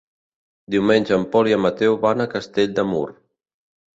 Diumenge en Pol i en Mateu van a Castell de Mur.